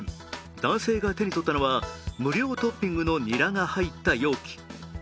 男性が手に取ったのは無料トッピングのにらが入った容器。